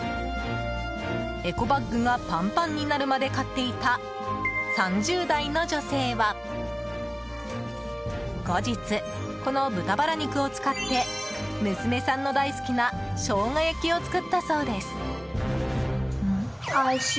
エコバッグがパンパンになるまで買っていた３０代の女性は後日、この豚バラ肉を使って娘さんの大好きなショウガ焼きを作ったそうです。